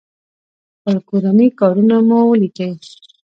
خپل کورني کارونه مو وليکئ!